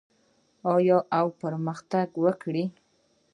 آیا او پرمختګ وکړي؟